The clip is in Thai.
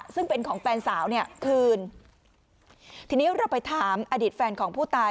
ซึ่งเป็นของแฟนสาวเนี่ยคืนทีนี้เราไปถามอดีตแฟนของผู้ตาย